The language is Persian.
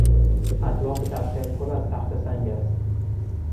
اطراف تپه پر از تخته سنگ است.